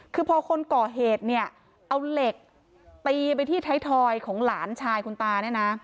คือพอคนก่อเหตุเอาเหล็กตีไปที่ไทยทอยของหลานชายคุณตา